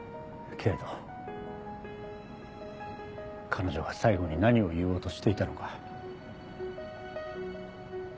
彼女が最後に何を言おうとしていたのか。